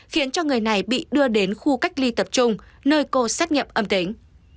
khiến cho người này bị đưa đến khu cách ly tập trung nơi cô xét nghiệm âm tính